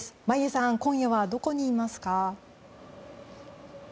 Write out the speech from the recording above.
眞家さん今夜はどこにいますか？